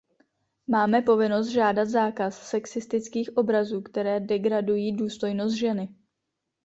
Máme povinnost žádat zákaz sexistických obrazů, které degradují důstojnost ženy.